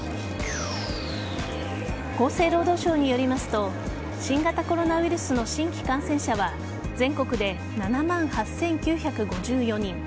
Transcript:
厚生労働省によりますと新型コロナウイルスの新規感染者は全国で７万８９５４人